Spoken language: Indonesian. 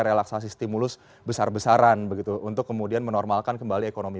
relaksasi stimulus besar besaran begitu untuk kemudian menormalkan kembali ekonomi